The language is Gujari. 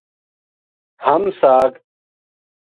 ہم ساگ